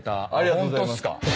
ホントっすか。